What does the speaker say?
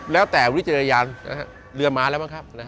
แล้วแต่วิทยาละยานเรือม้าแล้วนะครับ